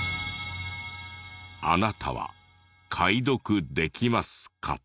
あなたは解読できますか？